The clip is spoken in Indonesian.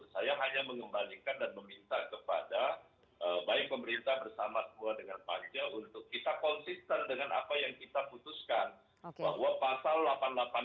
saya hanya mengembalikan dan meminta kepada baik pemerintah bersama semua dengan panja untuk kita konsisten dengan apa yang kita putuskan